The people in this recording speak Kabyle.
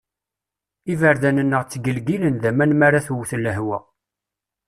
Iberdan-nneɣ ttgelgilen d aman m'ara twet lehwa.